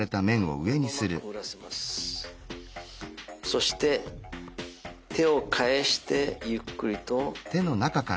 そして手を返してゆっくりと。